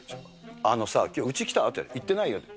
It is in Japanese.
あのさ、きょううち来た？って、行ってないよって。